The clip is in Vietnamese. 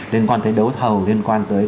liên quan tới đấu thầu liên quan tới